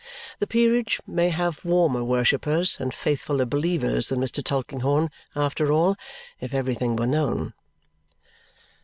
The peerage may have warmer worshippers and faithfuller believers than Mr. Tulkinghorn, after all, if everything were known.